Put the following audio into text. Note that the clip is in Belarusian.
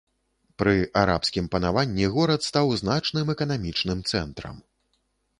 Пры арабскім панаванні горад стаў значным эканамічным цэнтрам.